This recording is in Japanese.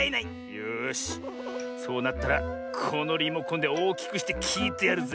よしそうなったらこのリモコンでおおきくしてきいてやるぜ。